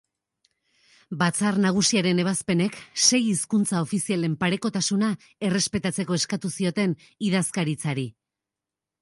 Batzar Nagusiaren ebazpenek sei hizkuntza ofizialen parekotasuna errespetatzeko eskatu zioten Idazkaritzari.